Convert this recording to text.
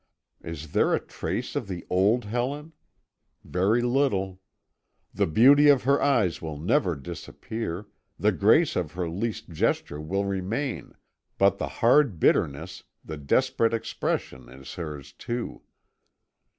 Is there a trace of the old Helen? Very little. The beauty of her eyes will never disappear; the grace of her least gesture will remain but the hard bitterness, the desperate expression is hers too.